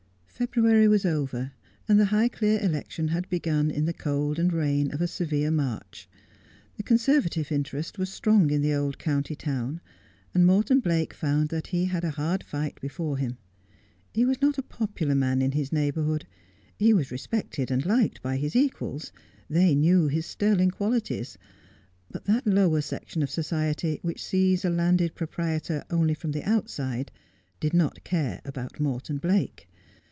February was over, and the Highclere election had begun in the cold and rain of a severe March. The Conservative interest was strong in the old county town, and Morton Blake found that he had a hard light before him. He was not a popular man in his neighbourhood. He was respected and liked by his equals ; they knew his sterling qualities ; but that lower section of society which sees a landed proprietor only from the outside did not care about Morton Blake.